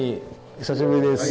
久しぶりです。